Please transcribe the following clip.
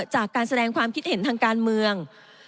จากการแสดงความคิดเห็นทางการเมือง